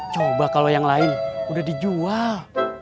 coba kalau yang lain udah dijual